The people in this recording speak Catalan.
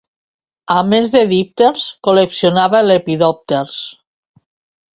A més de dípters, col·leccionava lepidòpters.